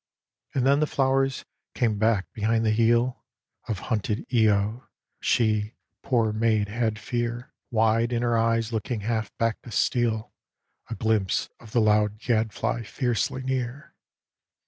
And then the flowers came back behind the heel Of hunted lo : she, poor maid, had fear Wide in her eyes looking half back to steal A glimpse of the loud gadfly fiercely near.